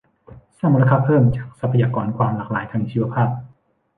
สร้างมูลค่าเพิ่มจากทรัพยากรความหลากหลายทางชีวภาพ